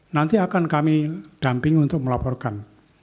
nanti akan kami damping untuk melaporkan